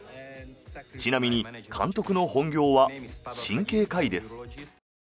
ちなみに監督の本業は神経科医です。